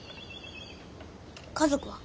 家族は？